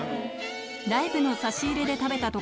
ライブの差し入れで食べたところ